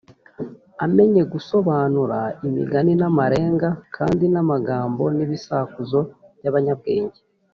amenye gusobanura imigani n’amarenga, kandi n’amagambo n’ibisakuzo by’abanyabwenge